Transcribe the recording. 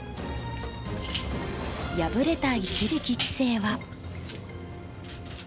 敗れた一力棋聖は。